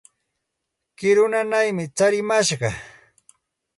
Kiru nanaymi tsarimashqan.